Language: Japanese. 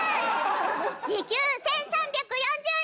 時給１３４０円。